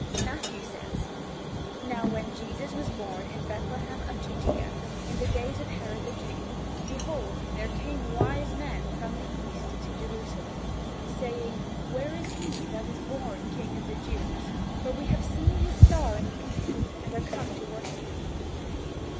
Matthew says: "Now when Jesus was born in Bethlehem of Judea, in the days of Herod the King, behold there came wise men from the east to Jerusalem. "Saying, where is he that is born king of the Jews? for we have seen his star in the east and are come to worship him."